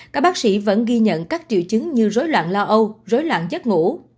các bác sĩ vẫn ghi nhận các triệu chứng như rối loạn lo âu rối loạn giấc ngủ